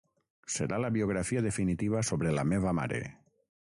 Serà la biografia definitiva sobre la meva mare.